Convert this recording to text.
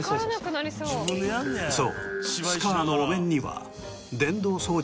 そう。